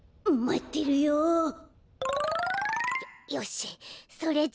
よよしそれじゃあ。